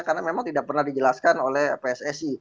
karena memang tidak pernah dijelaskan oleh pssi